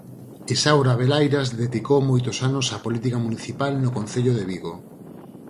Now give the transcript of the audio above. Isaura Abelairas dedicou moitos anos á política municipal no concello de Vigo.